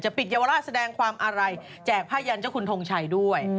ปิดเยาวราชแสดงความอาลัยแจกผ้ายันเจ้าคุณทงชัยด้วย